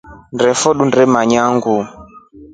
Honde tunemanya nguu.